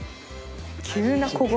急な小声。